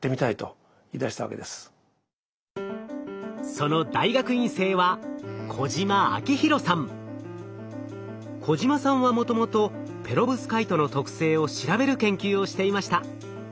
その大学院生は小島さんはもともとペロブスカイトの特性を調べる研究をしていました。